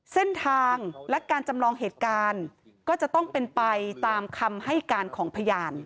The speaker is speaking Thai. เส้นทางและการจำลองเหตุการณ์ก็จะต้องเป็นไปตามคำให้การของพยาน